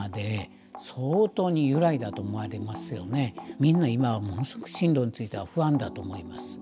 みんな今はものすごく進路については不安だと思います。